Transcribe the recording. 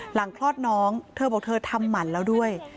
คลอดน้องเธอบอกเธอทำหมั่นแล้วด้วย